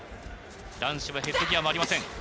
男子はヘッドギアもありません。